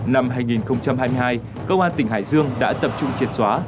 năm hai nghìn hai mươi hai công an tỉnh hải dương đã tập trung triệt xóa